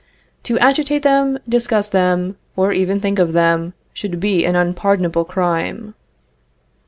To agitate them, discuss them, or even think of them, should be an unpardonable crime.